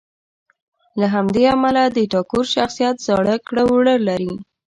له همدې امله د ټاګور شخصیت زاړه کړه وړه لري.